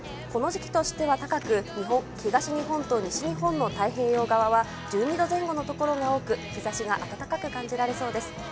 この時期としては高く、東日本と西日本の太平洋側は、１２度前後の所が多く、日ざしが暖かく感じられそうです。